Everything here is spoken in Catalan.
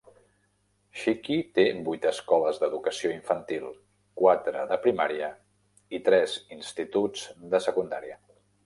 Shiki té vuit escoles d'educació infantil, quatre de primària i tres instituts de secundària.